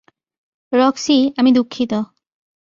Roxie, আমি দুঃখিত।